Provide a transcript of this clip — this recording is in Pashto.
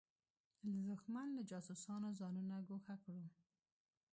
له دښمن له جاسوسانو ځانونه ګوښه کړو.